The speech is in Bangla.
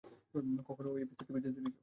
কখনো ওই এপিসোড টিভিতে দেখেছো?